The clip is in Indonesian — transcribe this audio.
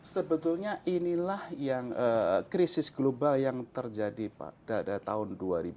sebetulnya inilah yang krisis global yang terjadi pada tahun dua ribu dua